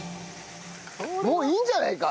もういいんじゃないか？